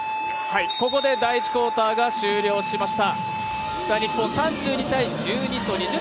ここで第１クォーターが終了しました。